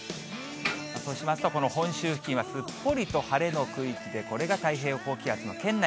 そうしますと、本州付近はすっぽりと晴れの区域で、これが太平洋高気圧の圏内。